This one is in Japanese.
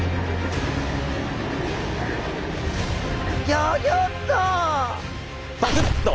ギョギョッと！